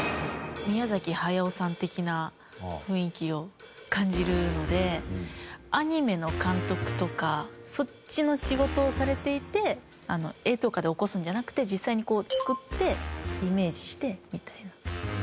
宮崎駿さん的な雰囲気を感じるのでアニメの監督とかそっちの仕事をされていて絵とかで起こすんじゃなくて実際に作ってイメージしてみたいな。